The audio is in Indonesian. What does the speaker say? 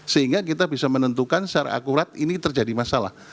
sehingga kita bisa menentukan secara akurat ini terjadi masalah